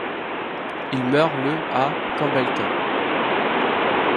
Il meurt le à Campbellton.